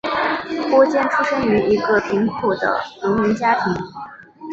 郭坚出生于一个贫苦的农民家庭。